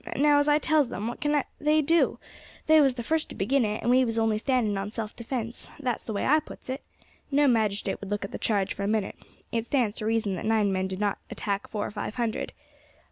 Now, as I tells them, what can they do? They was the first to begin it, and we was only standing on self defence, that's the way I puts it. No magistrate would look at the charge for a minute. It stands to reason that nine men did not attack four or five hundred.